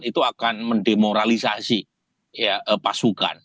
itu akan mendemoralisasi pasukan